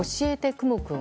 くもくん」。